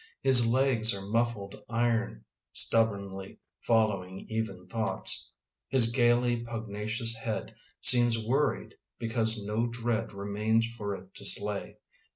His legs are muffled iron Stubbornly following even thoug^itSt His gaily pugnacious head Seems worried because no dread Remains for it to slay.